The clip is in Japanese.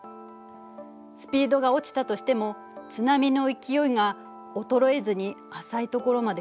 スピードが落ちたとしても津波の勢いが衰えずに浅いところまで来ると。